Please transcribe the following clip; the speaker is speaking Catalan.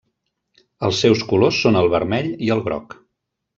Els seus colors són el vermell i el groc.